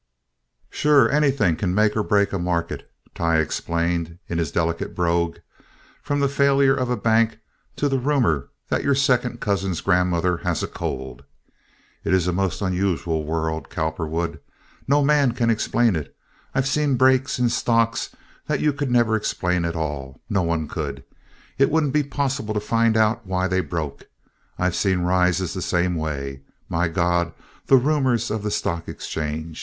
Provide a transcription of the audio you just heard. "Sure, anything can make or break a market"—Tighe explained in his delicate brogue—"from the failure of a bank to the rumor that your second cousin's grandmother has a cold. It's a most unusual world, Cowperwood. No man can explain it. I've seen breaks in stocks that you could never explain at all—no one could. It wouldn't be possible to find out why they broke. I've seen rises the same way. My God, the rumors of the stock exchange!